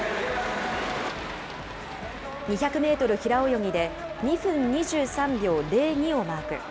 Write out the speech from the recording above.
２００メートル平泳ぎで２分２３秒０２をマーク。